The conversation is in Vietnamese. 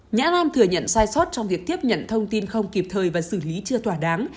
nhãn an thừa nhận sai sót trong việc tiếp nhận thông tin không kịp thời và xử lý chưa thỏa đáng